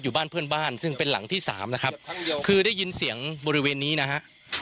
บ้านเพื่อนบ้านซึ่งเป็นหลังที่สามนะครับคือได้ยินเสียงบริเวณนี้นะฮะ